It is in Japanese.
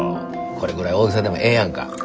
これぐらい大げさでもええやんか。